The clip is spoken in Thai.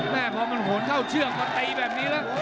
แม่พอมันโหนเข้าเชือกพอตีแบบนี้แล้ว